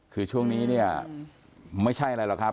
คือช่วงนี้เนี่ยไม่ใช่อะไรหรอกครับ